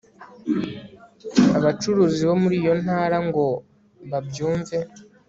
abacuruzi bo muri iyo ntara ngo babyumve